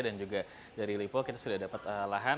dan juga dari lipo kita sudah dapat lahan